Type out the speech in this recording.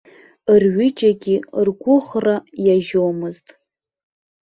Рҩыџьагьы ргәыӷра иажьомызт.